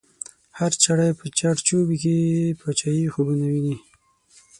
هر چړی په چړ چوبی کی، پاچایی خوبونه وینی